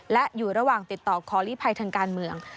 และอยู่ระหว่างติดต่อขอลีภัยทางการเมือง